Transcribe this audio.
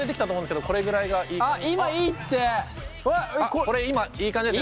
これ今いい感じですね。